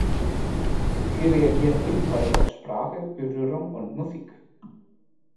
Sie reagieren ebenfalls auf Sprache, Berührung und Musik.